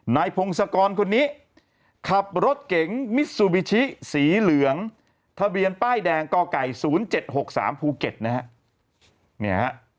พงศกรคนนี้ขับรถเก๋งมิซูบิชิสีเหลืองทะเบียนป้ายแดงกไก่๐๗๖๓ภูเก็ตนะฮะ